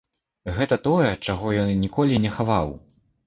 Гэта тое, чаго ён ніколі не хаваў.